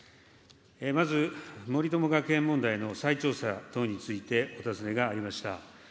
まず、森友学園問題の再調査等についてお尋ねがありました。